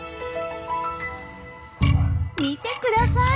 見てください！